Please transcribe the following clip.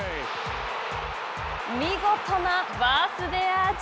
見事なバースデーアーチ。